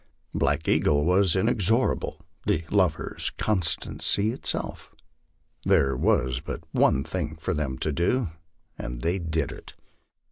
Black Eagle was inexorable the lovers, constancy itself. There was but one thing for them to do, and they did it.